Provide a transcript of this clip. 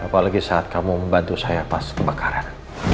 apalagi saat kamu membantu saya pas kebakaran